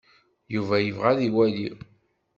Yuba yebɣa ad iwali.